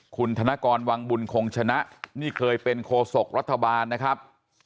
คุณธนกรวังบุญคงชนะนี่เคยเป็นโคศกรัฐบาลนะครับ